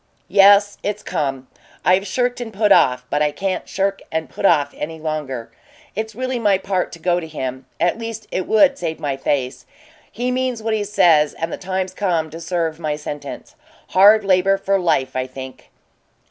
"Yes, it's come. I've shirked and put off, but I can't shirk and put off any longer. It's really my part to go to him at least it would save my face. He means what he says, and the time's come to serve my sentence. Hard labor for life, I think."